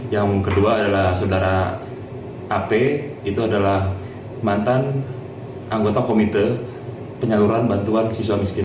yang kedua adalah saudara ap itu adalah mantan anggota komite penyaluran bantuan siswa miskin